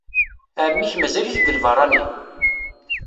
Ɛemmi-k mazal-it deg lbeṛṛani?